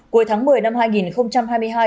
cuối tháng một mươi năm hai nghìn hai mươi hai